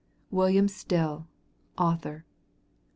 WILLIAM STILL, Author.